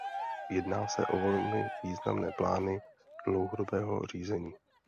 Jedná se o velmi významné plány dlouhodobého řízení.